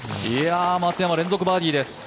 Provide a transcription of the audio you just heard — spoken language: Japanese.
松山、連続バーディーです。